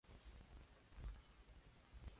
Realizaron segmentos de su exitosa canción, "Bang".